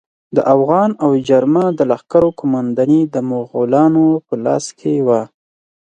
د اوغان او جرما د لښکرو قومانداني د مغولانو په لاس کې وه.